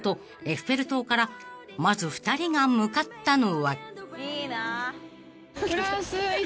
エッフェル塔からまず２人が向かったのは］